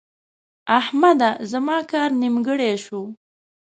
احمده! زما کار نیمګړی شو.